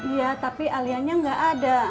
iya tapi alianya nggak ada